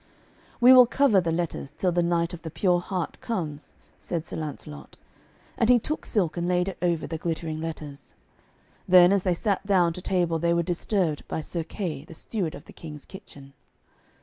'We will cover the letters till the Knight of the Pure Heart comes,' said Sir Lancelot; and he took silk and laid it over the glittering letters. Then as they sat down to table they were disturbed by Sir Kay, the steward of the King's kitchen.